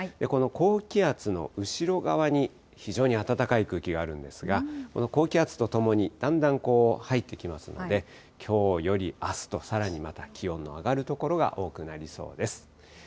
この高気圧の後ろ側に非常に暖かい空気があるんですが、この高気圧とともに、だんだん入ってきますので、きょうよりあすと、さらに、また気温の上がる所が多くなりそうです。